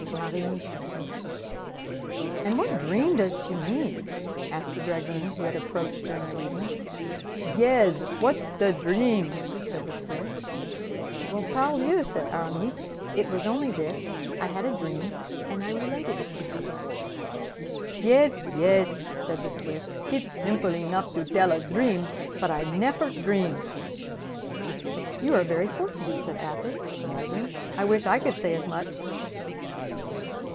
"MARIE MICHON" "And what dream does she mean?" asked the dragoon, who had approached during the reading. "Yez; what's the dream?" said the Swiss. "Well, pardieu!" said Aramis, "it was only this: I had a dream, and I related it to her." "Yez, yez," said the Swiss; "it's simple enough to dell a dream, but I neffer dream." "You are very fortunate," said Athos, rising; "I wish I could say as much!"